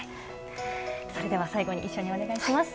それでは最後に一緒にお願いします。